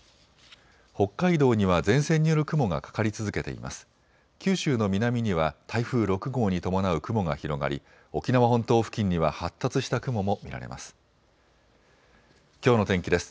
北海道には前線による雲がかかり続けています。